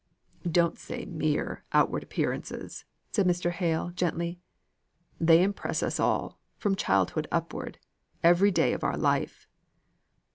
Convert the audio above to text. "Don't say mere outward appearances," said Mr. Hale, gently. "They impress us all, from childhood upward every day of our life."